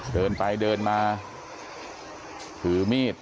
เดินไปเดินมาถือมีดนะครับ